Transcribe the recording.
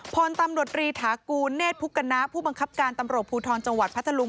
พลตำรวจรีถากูลเนธพุกณะผู้บังคับการตำรวจภูทรจังหวัดพัทธลุง